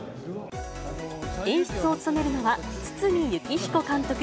演出を務めるのは堤幸彦監督。